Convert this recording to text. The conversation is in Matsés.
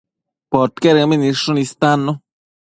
Podquedëmbi nidshun istannu